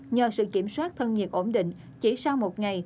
nhờ sự kiểm soát thân nhiệt ổn định chỉ sau một ngày